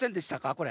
これ。